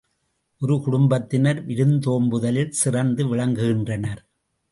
ஒரு குடும்பத்தினர் விருந்தோம்புதலில் சிறந்து விளங்குகின்றனர்.